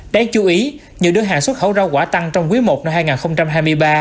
đáng chú ý nhiều đơn hàng xuất khẩu rau quả tăng trong quý i năm hai nghìn hai mươi ba